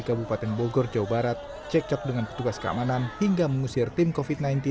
kabupaten bogor jawa barat cekcok dengan petugas keamanan hingga mengusir tim kofit